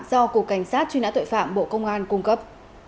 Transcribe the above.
do cục cảnh sát truy nã tội phạm bộ công an cung cấp